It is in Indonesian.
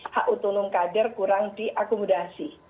hak otonom kader kurang diakomodasi